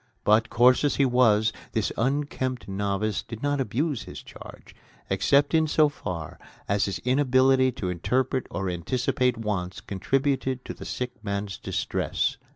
But coarse as he was, this unkempt novice did not abuse his charge except in so far as his inability to interpret or anticipate wants contributed to the sick man's distress.